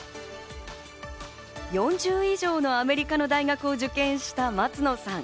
４０以上のアメリカの大学を受験した松野さん。